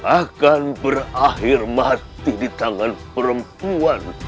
akan berakhir mati di tangan perempuan